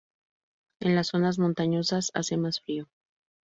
En las zonas montañosas hace más frío.